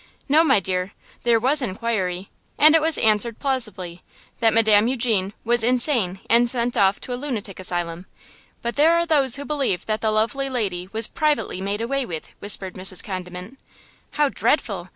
"No, my dear; there was inquiry, and it was answered plausibly–that Madame Eugene was insane and sent off to a lunatic asylum: but there are those who believe that the lovely lady was privately made away with," whispered Mrs. Condiment. "How dreadful!